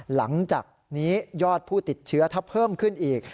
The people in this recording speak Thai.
หลังจากนี้ยอดผู้ติดเชื้อถ้าเพิ่มขึ้นอีก